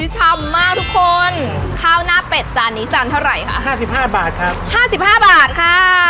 ชำมากทุกคนข้าวหน้าเป็ดจานนี้จานเท่าไหร่ค่ะ๕๕บาทครับ๕๕บาทค่ะ